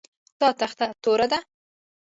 دا تخته توره ده